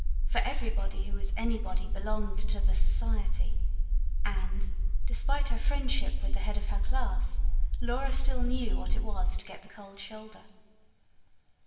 For everybody who was anybody belonged to the society. And, despite her friendship with the head of her class, Laura still knew what it was to get the cold shoulder.